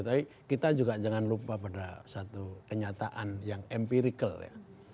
tapi kita juga jangan lupa pada satu kenyataan yang empirical ya